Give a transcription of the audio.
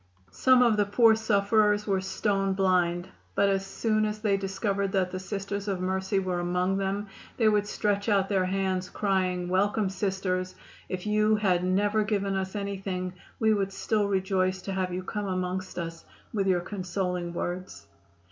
Some of the poor sufferers were stone blind, but as soon as they discovered that the Sisters of Mercy were among them they would stretch out their hands, crying, "Welcome, Sisters. If you had never given us anything we would still rejoice to have you come amongst us with your consoling words."